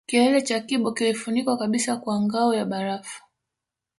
Kilele cha Kibo kilifunikwa kabisa kwa ngao ya barafu